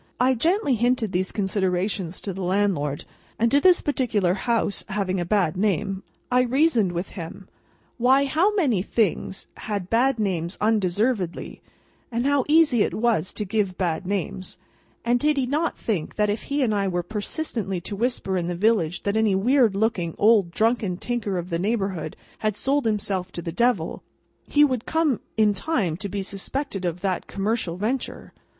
I gently hinted these considerations to the landlord. And as to this particular house having a bad name, I reasoned with him, Why, how many things had bad names undeservedly, and how easy it was to give bad names, and did he not think that if he and I were persistently to whisper in the village that any weird looking, old drunken tinker of the neighbourhood had sold himself to the Devil, he would come in time to be suspected of that commercial venture!